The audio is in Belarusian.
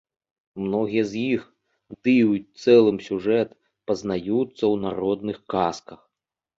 Многія з іх, ды і ў цэлым сюжэт, пазнаюцца ў народных казках.